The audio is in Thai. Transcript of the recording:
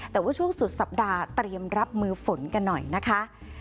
แต่ว่าช่วงสุดสัปดาห์เตรียมรับมือฝนกันหน่อยนะคะ